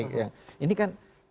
ini kan bisa membahayakan bahwa